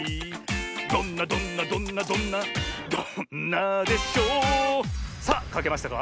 どんなどんなどんなどんなどんなでしょさあかけましたか？